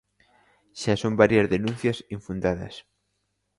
Xa son varias denuncias infundadas.